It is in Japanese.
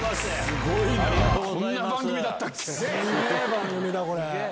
すげぇ番組だこれ。